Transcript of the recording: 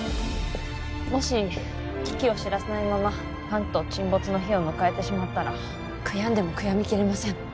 もし危機を知らせないまま関東沈没の日を迎えてしまったら悔やんでも悔やみきれません